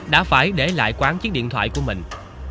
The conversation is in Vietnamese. đã phải để lại quán chiếc điện thoại của mình